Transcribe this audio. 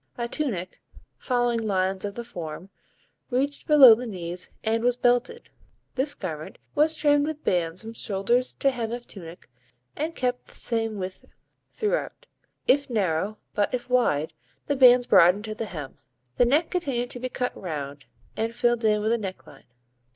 A tunic, following lines of the form, reached below the knees and was belted. This garment was trimmed with bands from shoulders to hem of tunic and kept the same width throughout, if narrow; but if wide, the bands broadened to the hem. The neck continued to be cut round, and filled in with a necklace.